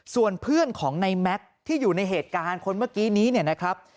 ส่วนเพื่อนของในแม็กซ์ที่อยู่ในเหตุการณ์คนเมื่อกี้นี้เนี่ยนะครับ